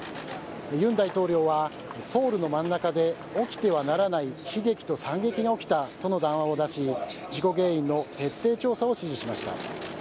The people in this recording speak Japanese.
尹大統領は、ソウルの真ん中で起きてはならない悲劇と惨劇が起きたとの談話を出し事故原因の徹底調査を指示しました。